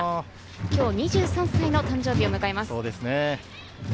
今日２３歳の誕生日を迎えます。